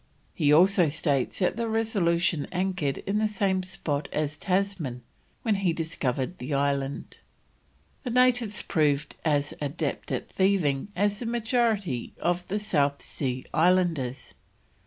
He also states that the Resolution anchored in the same spot as Tasman when he discovered the island. The natives proved as adept at thieving as the majority of the South Sea Islanders.